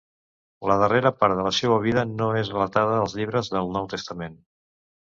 La darrera part de la seua vida no és relatada als llibres del Nou Testament.